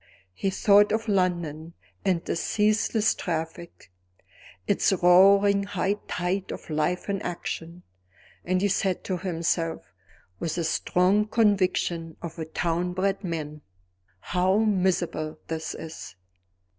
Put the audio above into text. He thought of London and its ceaseless traffic, its roaring high tide of life in action and he said to himself, with the strong conviction of a town bred man: How miserable this is!